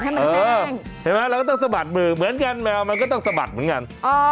เห็นไหมเราก็ต้องสะบัดมือเหมือนแกงแมวมันก็ต้องสะบัดเหมือนกัน